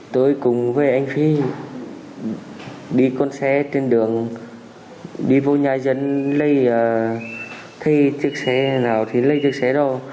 cuối cùng với anh phi đi con xe trên đường đi vô nhà dân lấy chiếc xe nào thì lấy chiếc xe đó